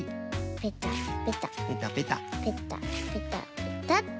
ペタペタペタッと！